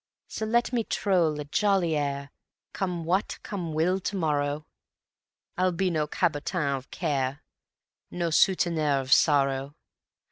So let me troll a jolly air, Come what come will to morrow; I'll be no cabotin of care, No souteneur of sorrow.